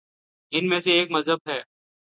ان میں سے ایک مذہب ہے۔